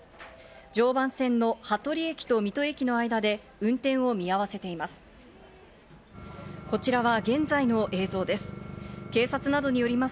常磐線の羽鳥駅と水戸駅の間で運転を見合わせています。